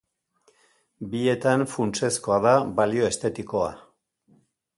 Bietan funtsezkoa da balio estetikoa.